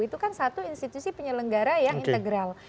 itu kan satu institusi penyelenggara yang integral